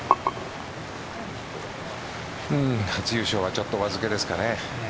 初優勝はちょっとお預けですかね。